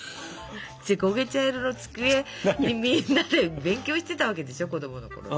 こげ茶色の机でみんなで勉強してたわけでしょ子供のころ。